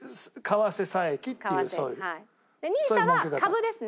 ＮＩＳＡは株ですね。